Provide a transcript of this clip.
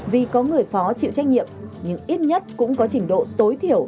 vì có người phó chịu trách nhiệm nhưng ít nhất cũng có trình độ tối thiểu